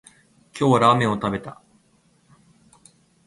今日はラーメンを食べた